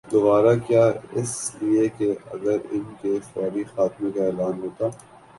گوارا کیا اس لیے کہ اگر ان کے فوری خاتمے کا اعلان ہوتا